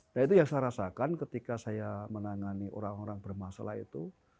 nah itu yang saya rasakan ketika saya menangani orang orang bermasalah itu